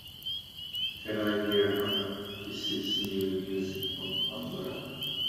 Can I hear Anna Vissi's new music on Pandora?